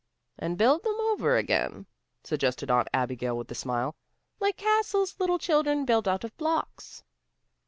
"And to build them over again," suggested Aunt Abigail with a smile. "Like castles little children build out of blocks."